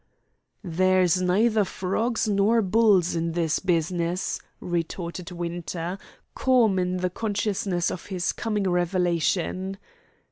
"There's neither frogs nor bulls in this business," retorted Winter, calm in the consciousness of his coming revelation.